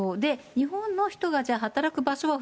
日本の人がじゃあ、働く場所は